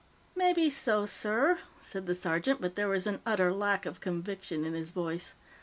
"Maybe so, sir," said the sergeant, but there was an utter lack of conviction in his voice.